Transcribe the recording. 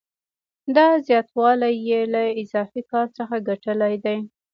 دا زیاتوالی یې له اضافي کار څخه ګټلی دی